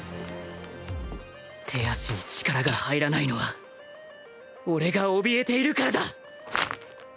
手足に力が入らないのは俺がおびえているからだ